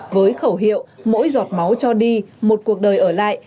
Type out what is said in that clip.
với khẩu hiệu mỗi giọt máu cho đi một cuộc đời ở lại